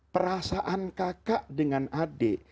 perasaan kakak dengan adik